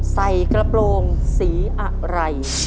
ใส่กระโปรงสีอะไร